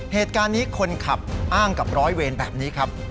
เหตุการณ์นี้คนขับอ้างกับร้อยเวรแบบนี้ครับ